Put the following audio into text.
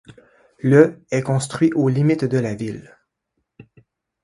Le est construit aux limites de la ville.